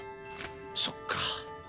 そっか。